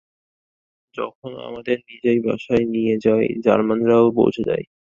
যখন ও আমাদের নিজের বাসায় নিয়ে যায়, জার্মানরাও পৌঁছে যায়।